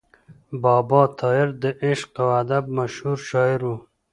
بابا طاهر د عشق او ادب مشهور شاعر و.